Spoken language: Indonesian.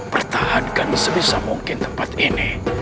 pertahankan sebisa mungkin tempat ini